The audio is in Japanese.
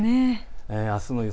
あすの予想